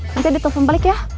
nanti ditelpon balik ya